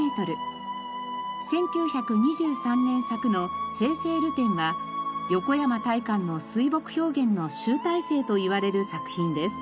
１９２３年作の『生々流転』は横山大観の水墨表現の集大成といわれる作品です。